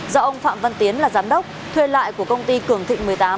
do ông phạm văn tiến là giám đốc thuê lại của công ty cường thịnh một mươi tám